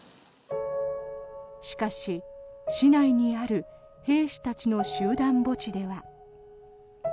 しかし、市内にある兵士たちの集団墓地では。